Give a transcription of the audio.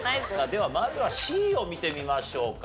ではまずはＣを見てみましょうか。